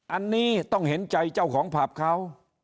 อันนี้ต้องเห็นใจเจ้าของผับเขา